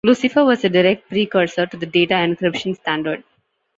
Lucifer was a direct precursor to the Data Encryption Standard.